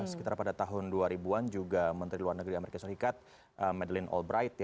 sekitar pada tahun dua ribu an juga menteri luar negeri amerika serikat medelin oldright